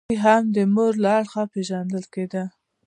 خپلوي هم د مور له اړخه پیژندل کیده.